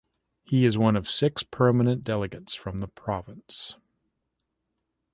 He is one of six permanent delegates from the province.